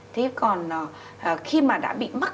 thế còn khi mà đã bị mắc